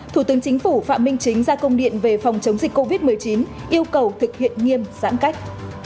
thủ tướng chính phủ phạm minh chính ra công điện về phòng chống dịch covid một mươi chín yêu cầu thực hiện nghiêm giãn cách